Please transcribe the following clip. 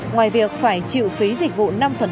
ngoài việc phải chịu phí dịch vụ năm